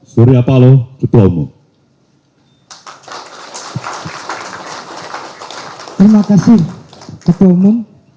suri apalo ketua umum